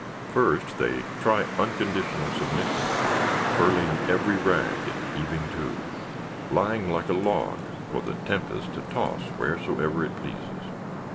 First, they try unconditional submission; furling every rag and heaving to; lying like a log, for the tempest to toss wheresoever it pleases.